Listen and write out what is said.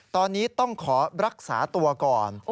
ตอนนี้ต้องขอรักษาตัวก่อน